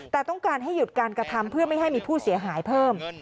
แต่ต้องการให้หยุดการกระทำเพื่อไม่ให้มีผู้เสียหายเพิ่ม